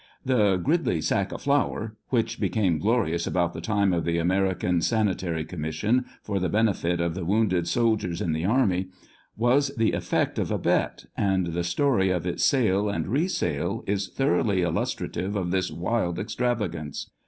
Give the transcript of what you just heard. The " Gridley sack of flour," whirh became glorious about the time of the American Sani tary Commission for the benefit of the wounded soldiers in the army, was the effect of a bet, and the story of its sale and re sale is thoroughly illustrative of this wild extravagance.